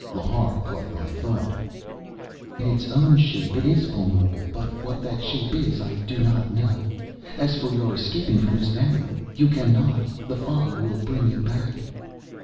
Lhar caught my thought. "In its own shape it is vulnerable, but what that shape is I do not know. As for your escaping from this valley you cannot. The fog will bring you back."